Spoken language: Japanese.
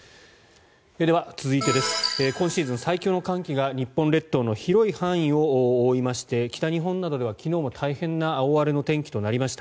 では、続いて今シーズン最強の寒気が日本列島の広い範囲を覆いまして北日本などでは昨日も大変な大荒れの天気となりました。